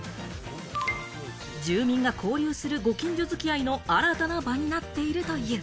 住民が交流するご近所付き合いの新たな場になっているという。